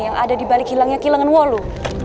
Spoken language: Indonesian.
yang ada di balik hilangnya kilangan walu